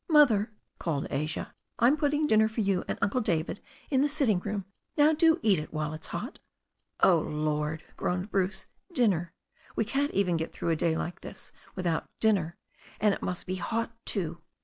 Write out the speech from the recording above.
"Mother," called Asia. "I'm putting dinner for you and Uncle David in the sitting room. Now do eat it while it's hot." "Oh, Lord!" groaned Bruce. "Dinner! We can't even get through a day like this without dinner. And it must be hot too."